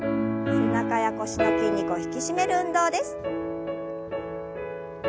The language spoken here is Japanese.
背中や腰の筋肉を引き締める運動です。